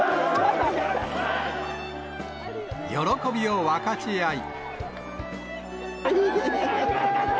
喜びを分かち合い。